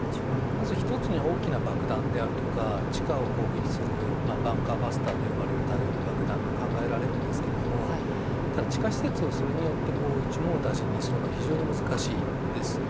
まず１つには大きな爆弾であるとか地下を攻撃するバンカーバスカーと呼ばれる類いの爆弾が考えられるんですがただ、地下施設をこれによって一網打尽にするのは難しいです。